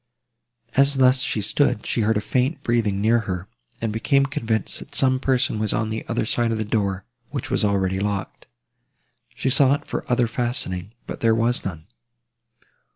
As thus she stood, she heard a faint breathing near her, and became convinced, that some person was on the other side of the door, which was already locked. She sought for other fastening, but there was none.